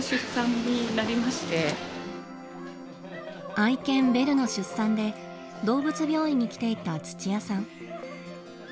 愛犬ベルの出産で動物病院に来ていた土屋さん。